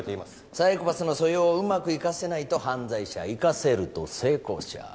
サイコパスの素養をうまく生かせないと犯罪者生かせると成功者